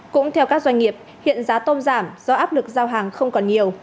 cũng theo các doanh nghiệp hiện giá tôm giảm do áp lực giao hàng không còn nhiều